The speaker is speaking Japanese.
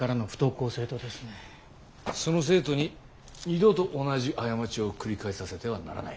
その生徒に二度と同じ過ちを繰り返させてはならない。